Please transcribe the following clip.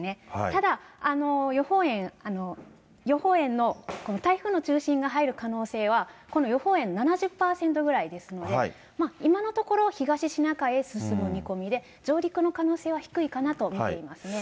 ただ、予報円の、この台風の中心が入る可能性は、この予報円７０％ぐらいですので、今のところ、東シナ海へ進む見込みで、上陸の可能性は低いかなと見ていますね。